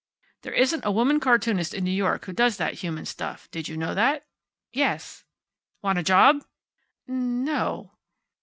"There isn't a woman cartoonist in New York who does that human stuff. Did you know that?" "Yes." "Want a job?" "N no."